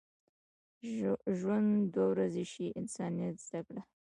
ژوند دوه ورځې شي، انسانیت زده کړه.